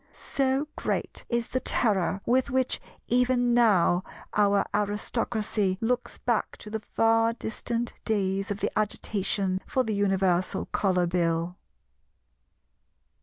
So great is the terror with which even now our Aristocracy looks back to the far distant days of the agitation for the Universal Colour Bill.